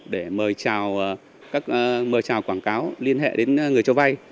để mời trào quảng cáo liên hệ đến người cho vay